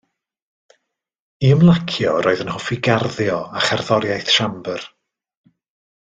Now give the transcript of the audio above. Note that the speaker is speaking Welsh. I ymlacio roedd yn hoffi garddio a cherddoriaeth siambr.